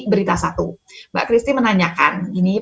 berita satu mbak kristi menanyakan